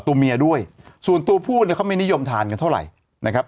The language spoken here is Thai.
ตัวเมียด้วยส่วนตัวผู้เนี่ยเขาไม่นิยมทานกันเท่าไหร่นะครับ